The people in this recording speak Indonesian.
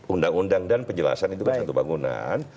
undang undang dan penjelasan itu kan satu bangunan